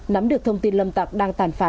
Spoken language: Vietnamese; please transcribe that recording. nắm được thông tin lâm tặc đang tàn phá